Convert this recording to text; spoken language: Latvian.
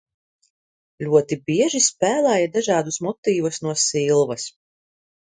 "Ļoti bieži spēlēja dažādus motīvus no "Silvas"."